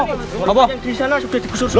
jangan sampai di sana sudah digusur semua